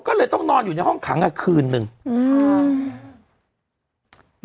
ก็เลยต้องนอนอยู่ในห้องขังอ่ะคืนหนึ่งอืม